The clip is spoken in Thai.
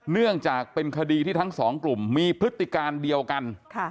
เนื่องจากเป็นคดีที่ทั้งสองกลุ่มมีพฤติการเดียวกัน